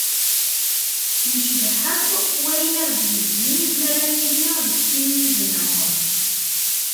Yecbeḥ akk wayen i ɣ-d-yezzin m'ara nili deg sin yid-neɣ.